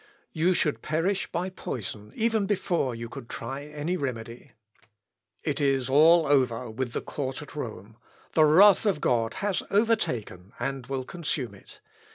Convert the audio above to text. You should perish by poison even before you could try any remedy. It is all over with the Court at Rome the wrath of God has overtaken and will consume it.